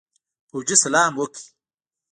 فوجي سلام وکړ.